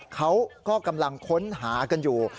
เขาก็กำลังค้นหากันอยู่